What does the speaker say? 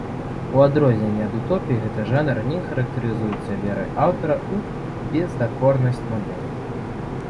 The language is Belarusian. У адрозненне ад утопіі, гэты жанр не характарызуецца верай аўтара ў бездакорнасць мадэлі.